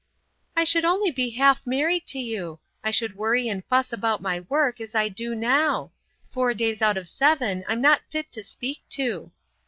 "I should be only half married to you. I should worry and fuss about my work, as I do now. Four days out of the seven I'm not fit to speak to."